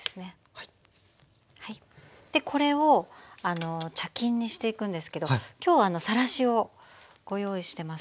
はいでこれを茶巾にしていくんですけど今日はさらしをご用意してます。